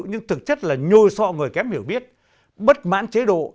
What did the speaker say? nhưng thực chất là nhôi sọ người kém hiểu biết bất mãn chế độ